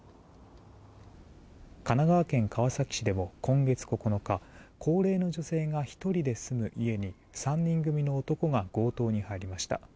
神奈川県川崎市でも今月９日高齢の女性が１人で住む家に３人組の男が強盗に入りました。